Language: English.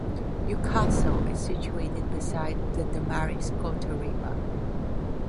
Newcastle is situated beside the Damariscotta River.